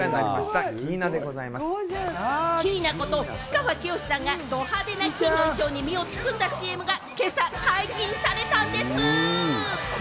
氷川きよしさんが、ド派手な衣装に身を包んだＣＭが今朝解禁されたんです。